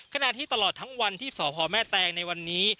ขณะที่ตลอดทั้งวันที่สพแม่แตงในวันนี้